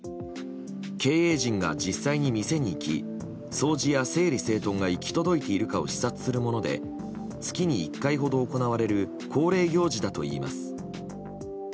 経営陣が実際に店に行き掃除や整理整頓が行き届いているかを視察するもので月に１回ほど行われる恒例行事だといいます。